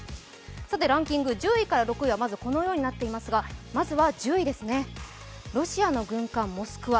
ランキング１０から６位はこのようになっていますがまずは１０位ですね、ロシアの軍艦「モスクワ」